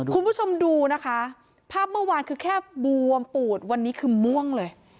คุณผู้ชมดูนะคะภาพเมื่อวานคือแค่บวมปูดวันนี้คือม่วงเลย